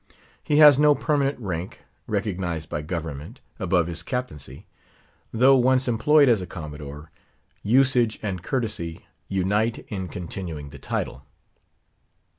He has no permanent rank, recognised by Government, above his captaincy; though once employed as a Commodore, usage and courtesy unite in continuing the title.